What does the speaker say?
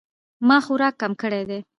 ما خوراک کم کړی دی